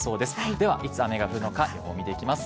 ではいつ雨が降るのか、予報を見ていきます。